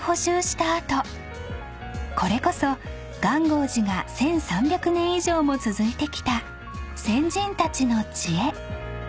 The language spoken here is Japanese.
［これこそ元興寺が１，３００年以上も続いてきた先人たちの知恵］